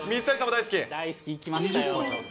大好き、行きましたよ。